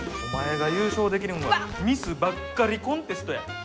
お前が優勝できるんはミスばっかりコンテストや。